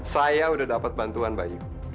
saya udah dapat bantuan pak yu